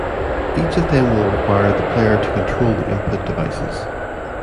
Each of them will require the player to control the input devices.